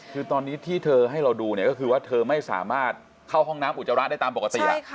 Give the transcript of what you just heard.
คือตอนนี้ที่เธอให้เราดูเนี่ยก็คือว่าเธอไม่สามารถเข้าห้องน้ำอุจจาระได้ตามปกติ